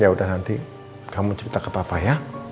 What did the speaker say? yaudah nanti kamu cerita ke papa ya